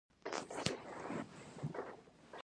د افغانستان په منظره کې هندوکش ښکاره ده.